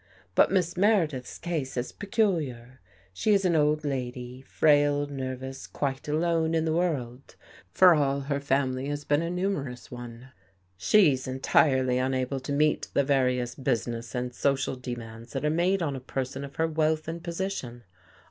But Miss Meredith's case is pe culiar. She is an old lady, frail, nervous — quite alone in the world, for all her family has been a numerous one. She's entirely unable to meet the various business and social demands that are made on a person of her wealth and position.